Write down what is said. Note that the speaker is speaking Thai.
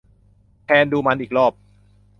แทนดูมันอีกรอบ